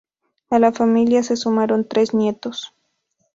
A la familia se sumaron tres nietos.